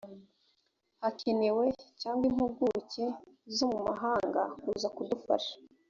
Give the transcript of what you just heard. hakenewe cyangwa impuguke zo mu mahanga kuza kudufasha